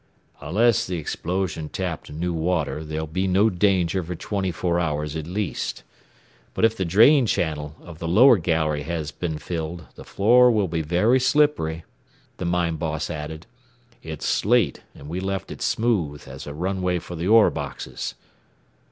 "Unless the explosion tapped new water, there'll be no danger for twenty four hours at least. But if the drain channel of the lower gallery has been filled the floor will be very slippery," the mine boss added. "It's slate, and we left it smooth, as a runway for the ore boxes."